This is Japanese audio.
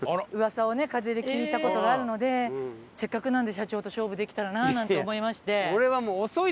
風で聞いた事があるのでせっかくなんで社長と勝負できたらななんて思いまして。